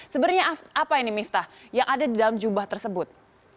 sebenarnya apa ini miftah yang ada di dalam jubah tersebut